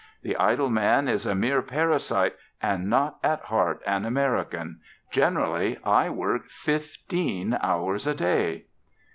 The idle man is a mere parasite and not at heart an American. Generally, I work fifteen hours a day.